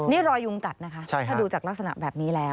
นี่รอยยุงกัดนะคะถ้าดูจากลักษณะแบบนี้แล้ว